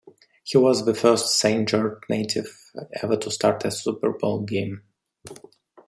He was the first Saint George native ever to start a Super Bowl game.